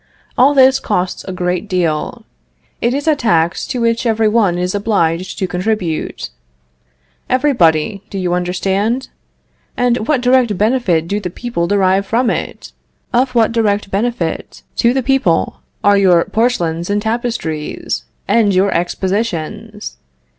All this costs a great deal. It is a tax to which every one is obliged to contribute. Everybody, do you understand? And what direct benefit do the people derive from it? Of what direct benefit to the people are your porcelains and tapestries, and your expositions?